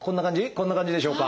こんな感じでしょうか？